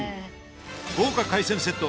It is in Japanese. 豪華海鮮セット